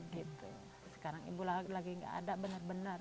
sekarang ibu lagi gak ada bener bener